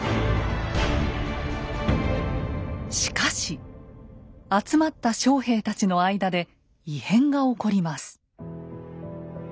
しかし集まった将兵たちの間で異変が起こります。